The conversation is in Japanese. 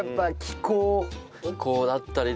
気候だったり。